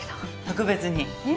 特別に。